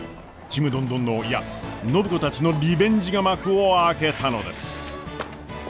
ちむどんどんのいや暢子たちのリベンジが幕を開けたのです。